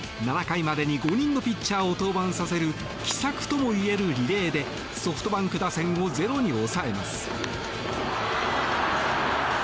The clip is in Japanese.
７回までに５人のピッチャーを登板させる奇策ともいえるリレーでソフトバンク打線をゼロに抑えます。